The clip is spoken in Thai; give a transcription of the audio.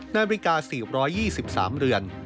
นาฬิกา๔๒๓เรือน